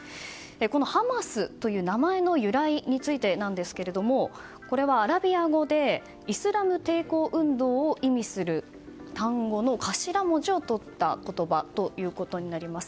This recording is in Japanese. このハマスという名前の由来についてなんですがこれはアラビア語でイスラム抵抗運動を意味する単語の頭文字をとった言葉ということになります。